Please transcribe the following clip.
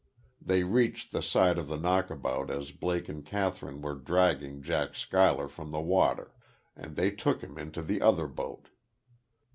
They reached the side of the knockabout as Blake and Kathryn were dragging Jack Schuyler from the water; and they took him into the other boat.